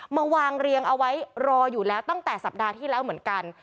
มาวางเรียงเอาไว้รออยู่แล้วตั้งแต่สัปดาห์ที่แล้วเหมือนกัน